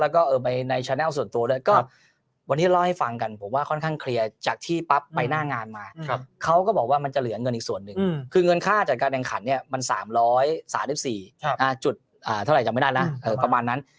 แล้วก็ไปในแนลส่วนตัวด้วยก็วันนี้เล่าให้ฟังกันผมว่าค่อนข้างเคลียร์จากที่ปั๊บไปหน้างานมาเขาก็บอกว่ามันจะเหลือเงินอีกส่วนหนึ่งคือเงินค่าจัดการแข่งขันเนี่ยมัน๓๓๔จุดเท่าไหร่จำไม่ได้นะประมาณนั้น